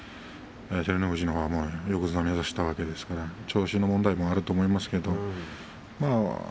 照ノ富士は横綱を目指していたわけですから調子の問題もあると思います。